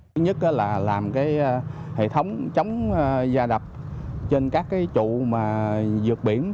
thứ nhất là làm cái hệ thống chống da đập trên các cái trụ mà dược biển